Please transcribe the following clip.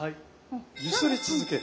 揺すり続ける。